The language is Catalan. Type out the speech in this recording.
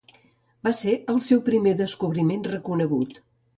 Va ser el seu primer descobriment reconegut.